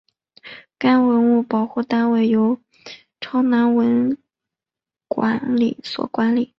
该文物保护单位由洮南市文管所管理。